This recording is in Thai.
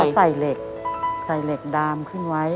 ตอนแรกเขาใส่เหล็กใส่เหล็กดามขึ้นไว้